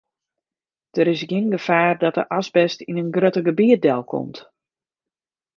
Der is gjin gefaar dat de asbest yn in grutter gebiet delkomt.